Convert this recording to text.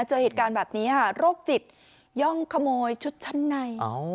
เจอเหตุการณ์แบบนี้ค่ะโรคจิตย่องขโมยชุดชั้นใน